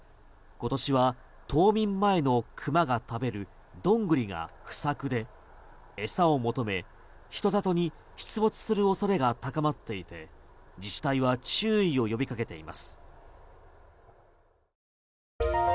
今年は冬眠前の熊が食べるドングリが不作で餌を求め人里に出没する恐れが高まっていて自治体は注意を呼びかけています。